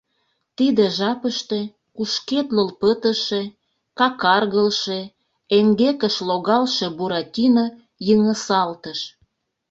Тиде жапыште кушкедлыл пытыше, какаргылше, эҥгекыш логалше Буратино йыҥысалтыш: